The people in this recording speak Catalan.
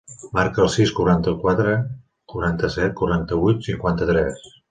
Marca el sis, quaranta-quatre, quaranta-set, quaranta-vuit, cinquanta-tres.